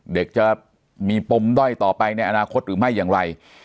เด็กจะมีปมด้อยต่อไปในอนาคตหรือไม่อย่างไร